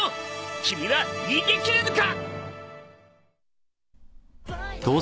君は逃げ切れるか！？